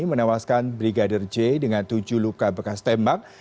menewaskan brigadir j dengan tujuh luka bekas tembak